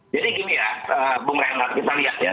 jadi gini ya bung renard kita lihat ya